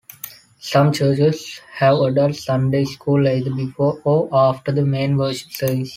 Some churches have adult Sunday school either before or after the main worship service.